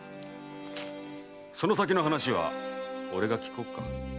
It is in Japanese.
その先の話は俺が聞こうか。